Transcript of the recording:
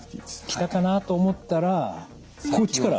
きたかなと思ったらこっちから？